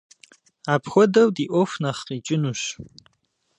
Апхуэдэу ди ӏуэху нэхъ къикӏынущ.